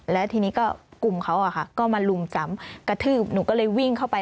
แล้วทีนี้ก็กลุ่มเขาก็มาลุมซ้ำกระทืบหนูก็เลยวิ่งเข้าไป